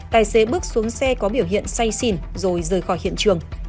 tài xế bước xuống xe có biểu hiện say xỉn rồi rời khỏi hiện trường